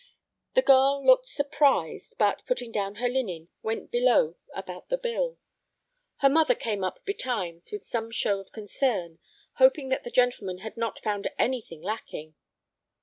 The girl looked surprised, but, putting down her linen, went below about the bill. Her mother came up betimes with some show of concern, hoping that the gentleman had not found anything lacking.